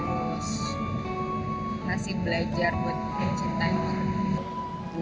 masih belajar buat bikin cintanya